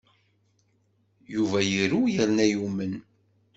Yuba iru yerna yumen.